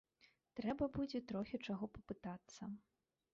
Трэба будзе трохі чаго папытацца.